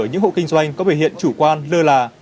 những hộ kinh doanh có biểu hiện chủ quan lơ là